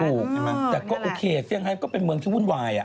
ถูกใช่ไหมแต่ก็โอเคเซี่ยงไฮมก็เป็นเมืองที่วุ่นวาย